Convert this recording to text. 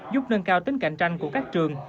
giúp nâng cao tính cạnh tranh của các trường